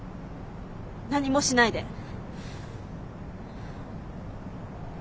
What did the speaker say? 何もしないで。